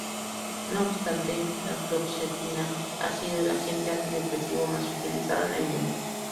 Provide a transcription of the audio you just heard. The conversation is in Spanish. No obstante, la fluoxetina ha sido el agente antidepresivo más utilizado en el mundo.